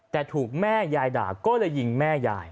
แต่ถูกแม่ยายด่าก็เลยยิงแม่ยาย